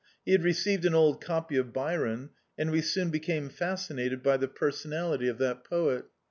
He had received an old copy of Byron, and we both became fascinated by die personality of that poet.